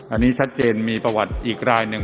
อันนี้ชัดเจนมีประวัติอีกรายหนึ่ง